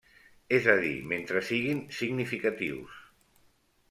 És a dir mentre siguin significatius.